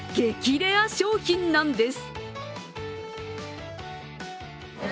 レア商品なんです。